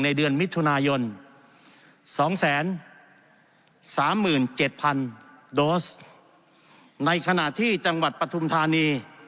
เดือนมิถุนายน๒๓๗๐๐๐โดสในขณะที่จังหวัดปฐุมธานี